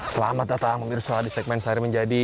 selamat datang kembali di segmen sari menjadi